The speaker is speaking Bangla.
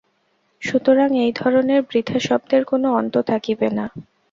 সুতরাং এই ধরনের বৃথা শব্দের কোন অন্ত থাকিবে না।